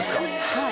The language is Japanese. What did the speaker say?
はい。